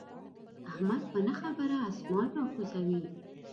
احمد په نه خبره اسمان را کوزوي.